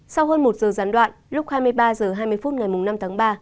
sau hơn một giờ gián đoạn lúc hai mươi ba h hai mươi phút ngày năm tháng ba